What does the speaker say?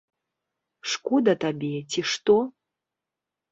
Шкода табе, ці што?